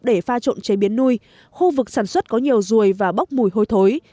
để pha trộn chế biến nuôi khu vực sản xuất có nhiều ruồi và bốc mùi hôi thối